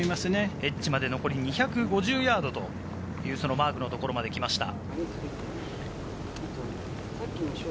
エッジまで残り２５０ヤードというマークのところまで来ました。